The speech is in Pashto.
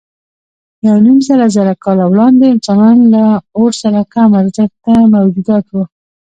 یونیمسلزره کاله وړاندې انسانان له اور سره کم ارزښته موجودات وو.